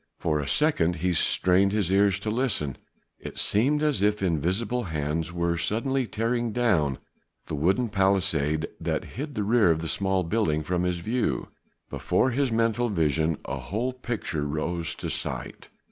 For a second he strained his ear to listen. It seemed as if invisible hands were suddenly tearing down the wooden palisade that hid the rear of the small building from his view; before his mental vision a whole picture rose to sight.